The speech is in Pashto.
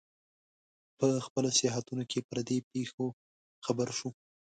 په خپلو سیاحتونو کې پر دې پېښو خبر شو.